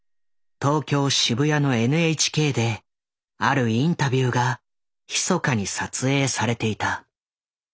東京渋谷のＮＨＫであるインタビューがひそかに撮影されていた。